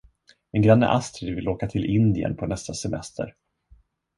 Min granne Astrid vill åka till Indien på nästa semester.